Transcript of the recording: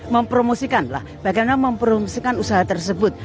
mempromosikan lah bagaimana mempromosikan usaha tersebut